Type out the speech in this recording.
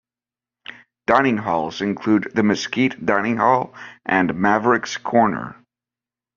Dining halls include the Mesquite Dining Hall and Maverick's Corner.